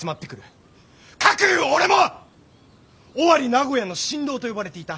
かく言う俺も尾張名古屋の神童と呼ばれていた。